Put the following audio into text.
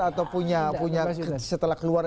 atau punya setelah keluar